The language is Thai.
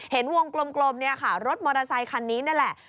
เห็นวงกลมเนี่ยค่ะรถมอเตอร์ไซคันนี้นั่นแหละ